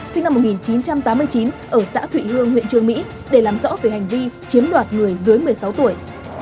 sinh năm một nghìn chín trăm tám mươi chín ở xã thụy hương huyện trương mỹ để làm rõ về hành vi chiếm đoạt người dưới một mươi sáu tuổi